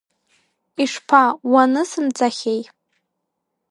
Ишԥа, уанысымҵахьеи?!